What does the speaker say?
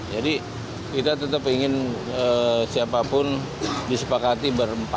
kita tetap ingin siapapun disepakati berempat